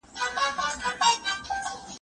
که ازادي نه وي نو پوهه نه خپريږي.